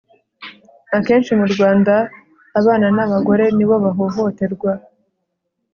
akenshi mu rwanda, abana n'abagore nibo bahohoterwa